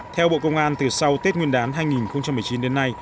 theo bộ công an từ sau tết nguyên đán hai nghìn một mươi chín